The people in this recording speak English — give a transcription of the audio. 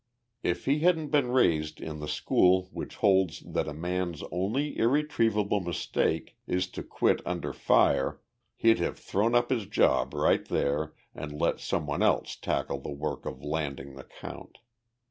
If he hadn't been raised in the school which holds that a man's only irretrievable mistake is to quit under fire, he'd have thrown up his job right there and let some one else tackle the work of landing the count.